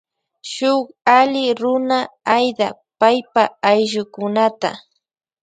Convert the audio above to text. Shuk alli runa aida paipa ayllukunata.